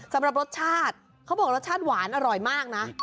สำหรับรสชาติเขาบอกรสชาติหวานอร่อยมากนะ